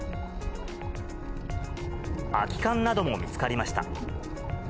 空き缶なども見つかりました。